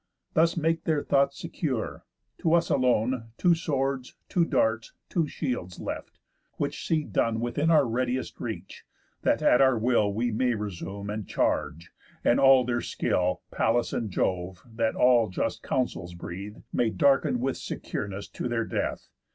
'_ Thus make their thoughts secure; to us alone Two swords, two darts, two shields left: which see done Within our readiest reach, that at our will We may resume, and charge, and all their skill Pallas and Jove, that all just counsels breathe, May darken with secureness to their death.